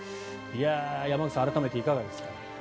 山口さん、改めていかがですか。